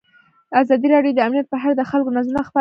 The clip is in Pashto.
ازادي راډیو د امنیت په اړه د خلکو نظرونه خپاره کړي.